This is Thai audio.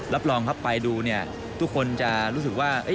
รับรองครับไปดูเนี่ยทุกคนจะรู้สึกว่า